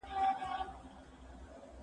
ماته به څنګه له وړکي کایناته ښکاري